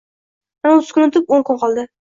Mana, o‘ttiz kun o‘tib, o‘n kun qoldi